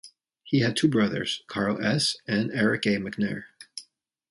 He had two brothers, Carl S. and Eric A. McNair.